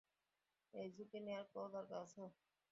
এই ঝুঁকি নেয়ার কোনো দরকার আছে?